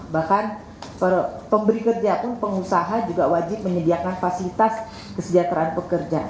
bahkan pemberi kerja pun pengusaha juga wajib menyediakan fasilitas kesejahteraan pekerja